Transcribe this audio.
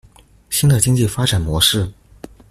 新的經濟發展模式